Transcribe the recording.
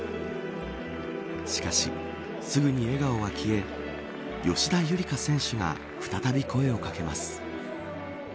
しかし、すぐに笑顔は消え吉田夕梨花選手が再び声をかけます。